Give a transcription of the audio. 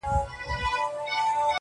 له فکرونو اندېښنو په زړه غمجن سو،